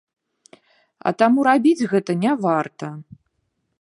А таму рабіць гэта не варта.